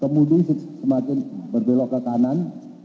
kemudian semakin berbelok ke kanan